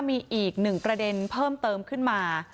มีอีกหนึ่งประเด็นเพิ่มเติมขึ้นมา